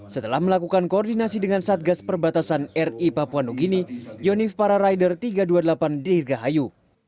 setelah melakukan koordinasi dengan satgas perbatasan ri papua nugini yonif para rider tiga ratus dua puluh delapan dirgahayu